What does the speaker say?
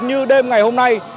như đêm ngày hôm nay